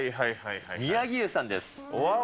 宮城湯さんです。